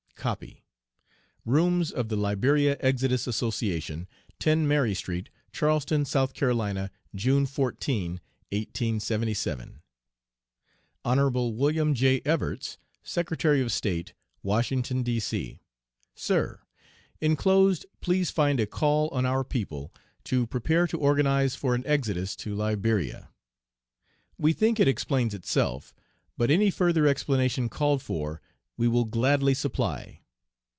G.C. COPY. Rooms OF THE LIBERIA EXODUS ASSOCIATION, 10 MARY STREET, CHARLESTON, S.C. June 14, 1877. HON. WM. J. EVARTS, Secretary of State, Washington, D.C.: Sir: Inclosed please find a call on our people to prepare to organize for an exodus to Liberia. We think it explains itself, but any further explanation called for we will gladly supply.